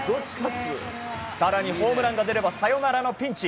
更に、ホームランが出ればサヨナラのピンチ。